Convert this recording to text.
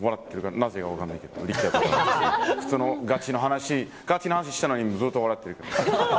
なぜかわからないけど、普通のガチの話をしたのに、ずっと笑ってる。